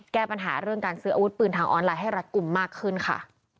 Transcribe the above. แก้ปัญหาเรื่องการซื้ออาวุธปืนทางออนไลน์ให้รัฐกลุ่มมากขึ้นค่ะ